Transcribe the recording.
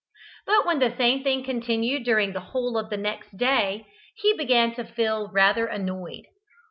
But when the same thing continued during the whole of the next day, he began to feel rather annoyed.